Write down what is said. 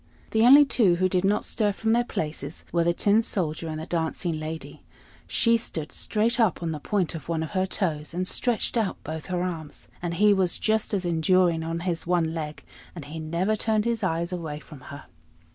The only two who did not stir from their places were the Tin Soldier and the Dancing Lady: she stood straight up on the point of one of her toes, and stretched out both her arms; and he was just as enduring on his one leg; and he never turned his eyes away from her.